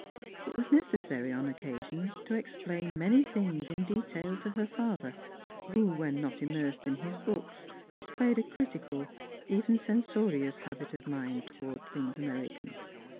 It was necessary on occasions to explain many things in detail to her father, who when not immersed in his books displayed a critical, even censorious habit of mind toward things American.